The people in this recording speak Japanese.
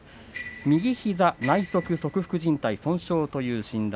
右膝内側側副じん帯損傷という診断